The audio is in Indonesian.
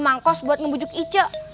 mangkos buat ngebujuk ica